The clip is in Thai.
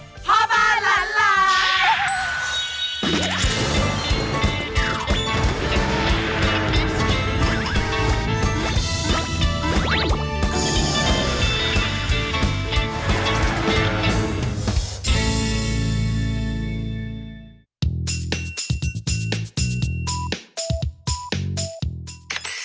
โปรด๕๕๐นาที